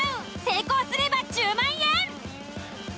成功すれば１０万円。